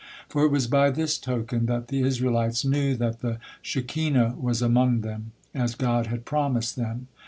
For it was by this token that the Israelites knew that the Shekinah was among them, as God had promised them.